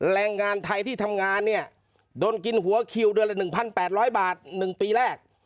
แรงงานไทยที่ทำงานเนี่ยโดนกินหัวคิวเดือนละ๑๘๐๐บาท๑ปีแรก